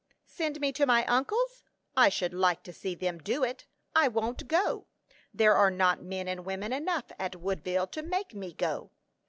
Send me to my uncle's? I should like to see them do it! I won't go! There are not men and women enough at Woodville to make me go!"